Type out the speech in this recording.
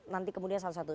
nanti kemudian satu satu